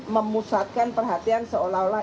memusatkan perhatian seolah olah